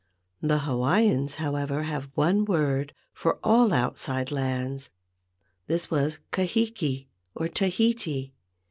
The Hawaiians, however, had one word for all outside lands. This was Kahiki or Tahiti.